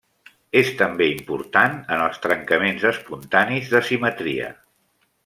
És també important en els trencaments espontanis de simetria.